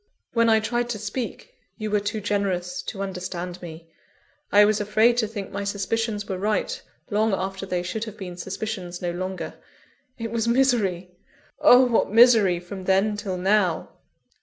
_ When I tried to speak, you were too generous to understand me I was afraid to think my suspicions were right, long after they should have been suspicions no longer. It was misery! oh, what misery from then till now!"